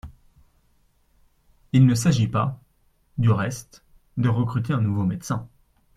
Il ne s’agit pas, du reste, de recruter un nouveau médecin.